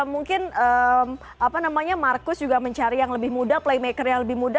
mungkin apa namanya markus juga mencari yang lebih muda playmaker yang lebih muda